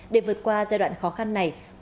để vượt qua giai đoạn khó khăn này